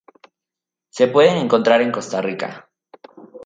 Se pueden encontrar en Costa Rica.